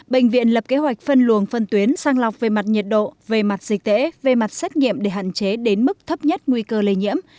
bệnh viện lập kế hoạch phân luồng phân tuyến sang lọc về mặt nhiệt độ về mặt dịch tễ về mặt xét nghiệm để hạn chế đến mức thấp nhất nguy cơ lây nhiễm